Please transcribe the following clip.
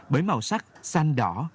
bởi màu sắc xanh đỏ